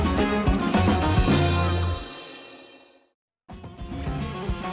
ini menunya banyak banget